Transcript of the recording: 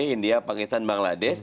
india pakistan bangladesh